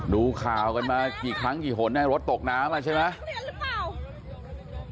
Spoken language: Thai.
ดูข่าวกันมากี่ครั้งกี่หนรถตกน้ำอ่ะใช่ไหม